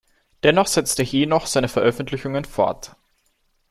Dennoch setzte Henoch seine Veröffentlichungen fort.